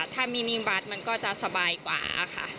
ถ้ามีนิมบัตรมันก็จะสบายกว่าค่ะ